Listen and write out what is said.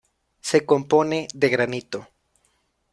Se compone de granito.